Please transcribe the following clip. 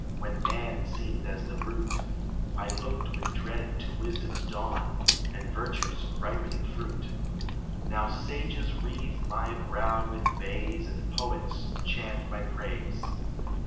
When man seemed as the brute, I looked with dread to wisdom's dawn, And virtue's ripening fruit : Now sages wreathe my brow with bays, And poets chant my praise.